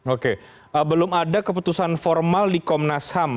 oke belum ada keputusan formal di komnas ham